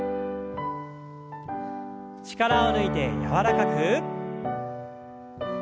力を抜いて柔らかく。